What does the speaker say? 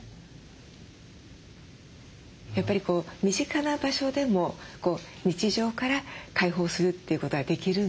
やっぱり身近な場所でも日常から解放するということができるんですね。